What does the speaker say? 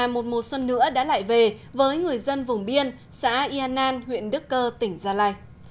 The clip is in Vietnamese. một mùa xuân nữa đã lại về với người dân vùng biên xã yên an huyện đức cơ tỉnh gia lai